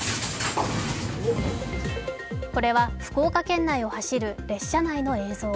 これは福岡県内を走る列車内の映像。